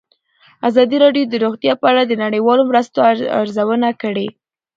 ازادي راډیو د روغتیا په اړه د نړیوالو مرستو ارزونه کړې.